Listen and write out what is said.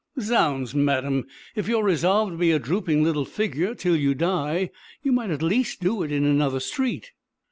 Zounds, madam, if you are resolved to be a drooping little figure till you die, you might at least do it in another street.